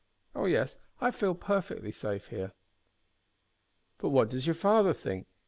Oh yes, I feel perfectly safe here." "But what does your father think.